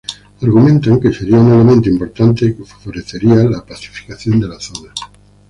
Argumentan que sería un elemento importante que favorecería la pacificación de la zona.